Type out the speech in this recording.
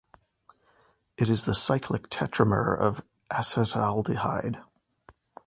It is the cyclic tetramer of acetaldehyde.